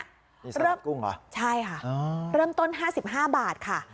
นี่สลัดกุ้งเหรอใช่ค่ะอ๋อเริ่มต้นห้าสิบห้าบาทค่ะ